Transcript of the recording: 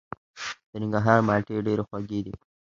د ننګرهار مالټې ډیرې خوږې دي.